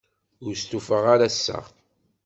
Ur stufaɣ ara ass-a.